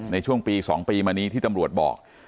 ในช่วงปี๒ปีมานี้ที่ตำรวจบอก